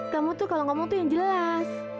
kamu tuh kalau ngomong tuh yang jelas